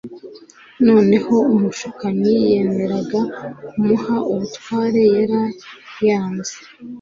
Noneho umushukanyi yemeraga kumuha ubutware yari yaranyaze.